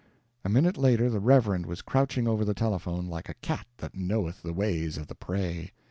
A minute later the Reverend was crouching over the telephone like a cat that knoweth the ways of the prey.